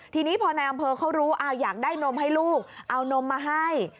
ทีนี้พอนายอำเภอเขารู้อยากได้นมให้ลูกเอานมมาให้